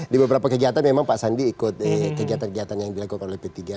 di beberapa kegiatan memang pak sandi ikut kegiatan kegiatan yang dilakukan oleh p tiga